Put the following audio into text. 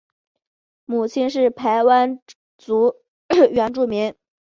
母亲是排湾族原住民。